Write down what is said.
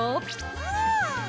うん！